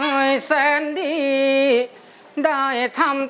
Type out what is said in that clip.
เพื่อจะไปชิงรางวัลเงินล้าน